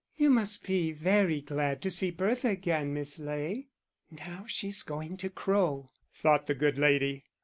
"You must be very glad to see Bertha again, Miss Ley." "Now she's going to crow," thought the good lady.